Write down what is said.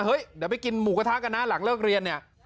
เฮ้ยเดี๋ยวไปกินหมูกระทะกันนะหลังเลิกเรียนเนี่ย